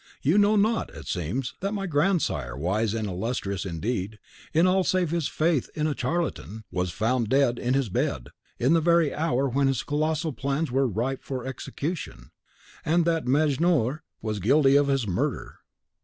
You know not, it seems, that my grandsire, wise and illustrious indeed, in all save his faith in a charlatan, was found dead in his bed, in the very hour when his colossal plans were ripe for execution, and that Mejnour was guilty of his murder."